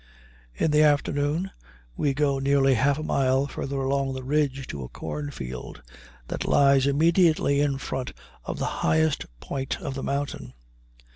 In the afternoon we go nearly half a mile farther along the ridge to a cornfield that lies immediately in front of the highest point of the mountain.